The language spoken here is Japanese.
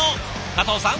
加藤さん